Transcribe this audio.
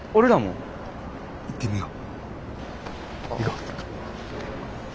行ってみよう。